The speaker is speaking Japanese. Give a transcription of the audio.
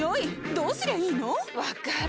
どうすりゃいいの⁉分かる。